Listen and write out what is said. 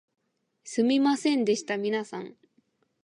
すみませんでした皆さん